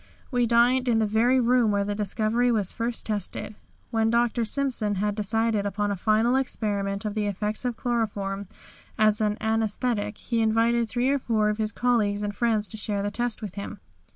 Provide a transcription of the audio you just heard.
We dined in the very room where the discovery was first tested. When Dr. Simpson had decided upon a final experiment of the effects of chloroform as an anæsthetic, he invited three or four of his colleagues and friends to share the test with him.